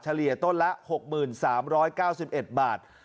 เลียต้นละ๖๓๙๑บาท